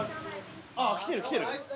ああ来てる来てる。